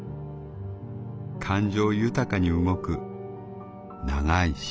感情豊かに動く長いしっぽ。